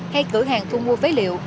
hay cửa hàng thu mua phế liệu